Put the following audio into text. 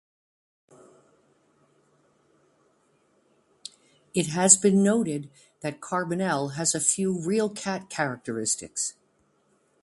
It has been noted that Carbonel has few real cat characteristics.